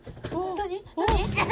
何！